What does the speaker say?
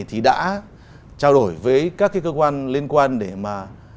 thì đã trao đổi với các cái cơ quan liên quan để mà